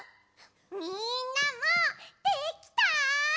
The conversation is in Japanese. みんなもできた？